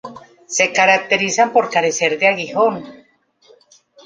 Se caracterizan por carecer de aguijón.